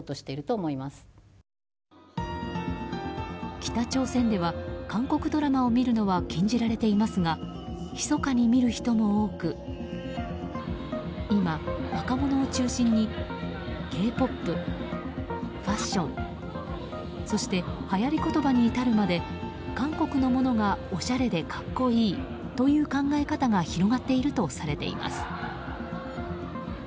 北朝鮮では、韓国ドラマを見るのは禁じられていますが密かに見る人も多く今、若者を中心にＫ‐ＰＯＰ、ファッションそして、はやり言葉に至るまで韓国のものがおしゃれで格好いいという考え方が広がっているとされています。